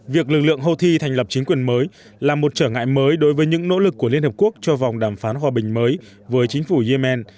việc lực lượng houthi thành lập chính quyền mới là một trở ngại mới đối với những nỗ lực của liên hợp quốc cho vòng đàm phán hòa bình mới với chính phủ yemen